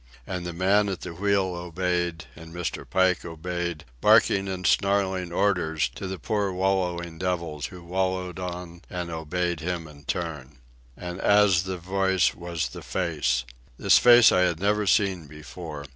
And the man at the wheel obeyed, and Mr. Pike obeyed, barking and snarling orders to the poor wallowing devils who wallowed on and obeyed him in turn. And as the voice was the face. This face I had never seen before.